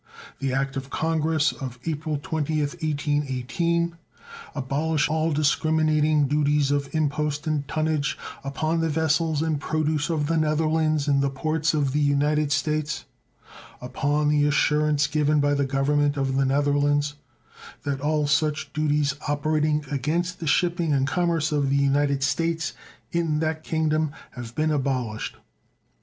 The act of Congress of April 20th, 1818, abolished all discriminating duties of impost and tonnage upon the vessels and produce of the Netherlands in the ports of the United States upon the assurance given by the Government of the Netherlands that all such duties operating against the shipping and commerce of the United States in that Kingdom had been abolished.